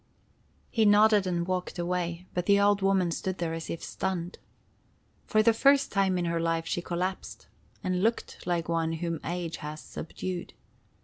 He nodded and walked away; but the old woman stood there as if stunned. For the first time in her life she collapsed, and looked like one whom age has subdued.